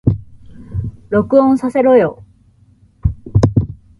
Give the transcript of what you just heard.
録音させろよ